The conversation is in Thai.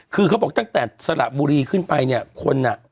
คือเขาบอกตั้งแต่สระบุรีขึ้นไปเนี่ยคนอ่ะ